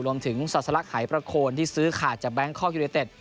รวมถึงศาสนรักษณ์หายพระโคนที่ซื้อขาดจากแบงค์คอร์คยูเลเต็ต